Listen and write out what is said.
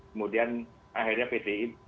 kemudian akhirnya pdi